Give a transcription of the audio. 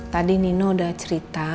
tadi nino udah cerita